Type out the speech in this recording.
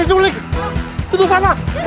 tidak itu sana